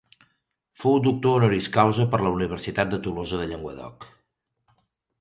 Fou doctor honoris causa per la Universitat de Tolosa de Llenguadoc.